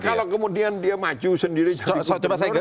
kalau kemudian dia maju sendiri jadi gubernur